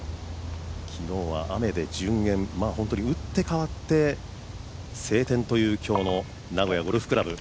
昨日は雨で順延、打って変わって晴天という今日の名古屋ゴルフクラブ。